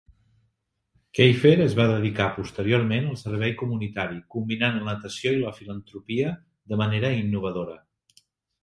Kiefer es va dedicar posteriorment al servei comunitari, combinant la natació i la filantropia de manera innovadora.